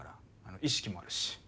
意識もあるし。